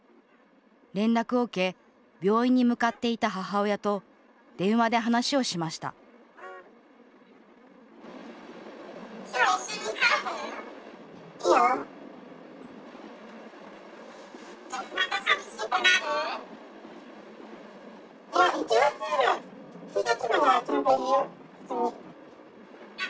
連絡を受け病院に向かっていた母親と電話で話をしました翌日。